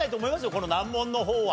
この難問の方は。